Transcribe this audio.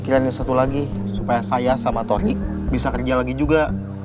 akhirnya ada satu lagi supaya saya sama tori bisa kerja lagi juga